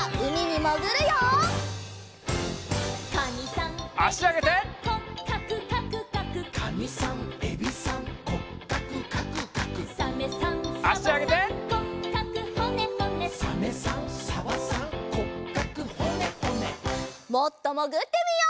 もっともぐってみよう！